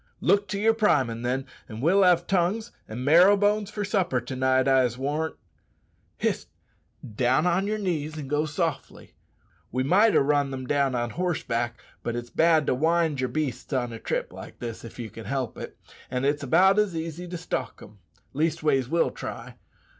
"Look to yer primin', then, an' we'll have tongues and marrow bones for supper to night, I'se warrant. Hist! down on yer knees and go softly. We might ha' run them down on horseback, but it's bad to wind yer beasts on a trip like this, if ye can help it; an' it's about as easy to stalk them. Leastways, we'll try.